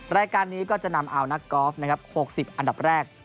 รายการนี้ก็จะนำเอานักกอล์ฟนะครับ๖๐อันดับแรก